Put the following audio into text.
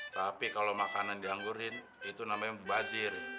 tapi kalau makanan dianggurin itu namanya bazir